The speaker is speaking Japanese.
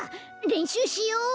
れんしゅうしようほら！